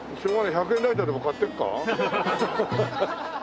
１００円ライターでも買ってくか？